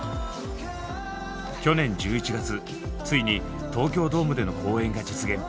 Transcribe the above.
去年１１月ついに東京ドームでの公演が実現。